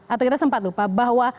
atau kita sempat lupa bahwa